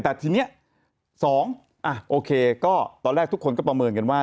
แต่ทีนี้๒โอเคก็ตอนแรกทุกคนก็ประเมินกันว่า